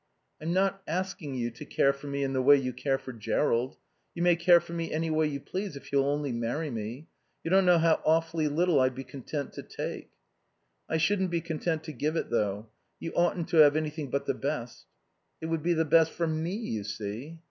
"I'm not asking you to care for me in the way you care for Jerrold. You may care for me any way you please if you'll only marry me. You don't know how awfully little I'd be content to take." "I shouldn't be content to give it, though. You oughtn't to have anything but the best." "It would be the best for me, you see."